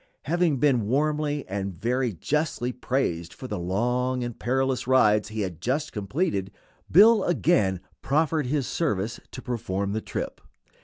Having been warmly and very justly praised for the long and perilous rides he had just completed, Bill again proffered his service to perform the trip.